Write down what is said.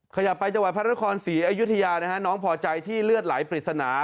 ขยับไปจังหวัดพระราชคล๔อายุทยาน้องผ่อใจที่เลือดไหลปริศนา